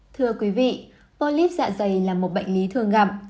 thưa quý vị polyp dạ dày là một bệnh lý thường gặp